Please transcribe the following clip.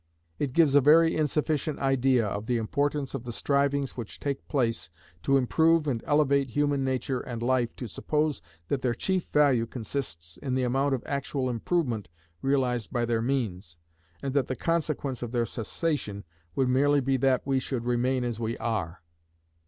It gives a very insufficient idea of the importance of the strivings which take place to improve and elevate human nature and life to suppose that their chief value consists in the amount of actual improvement realized by their means, and that the consequence of their cessation would merely be that we should remain as we are.